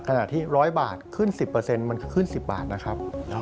ขณะที่๑๐๐บาทขึ้น๑๐มันก็ขึ้น๑๐บาทนะครับ